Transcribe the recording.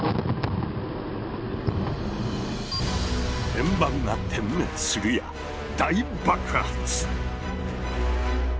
円盤が点滅するや大爆発。